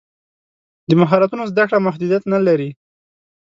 د مهارتونو زده کړه محدودیت نه لري.